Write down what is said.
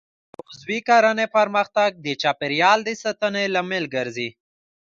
د عضوي کرنې پرمختګ د چاپیریال د ساتنې لامل ګرځي.